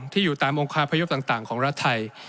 อยู่ตามองคาพยพต่างของรัฐไทย